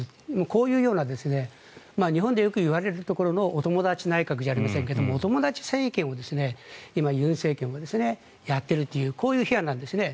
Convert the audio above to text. こういうような日本でよくいわれるところのお友達内閣じゃありませんけどもお友達政権を今、尹政権はやっているというこういう批判なんですね。